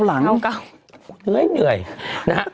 เหนื่อยเนื่อยนะ